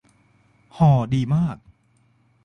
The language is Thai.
ห่อดีมาก